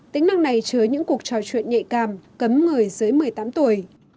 tính năng này chứa những cuộc trò chuyện nhạy cảm cấm người dưới một mươi tám tuổi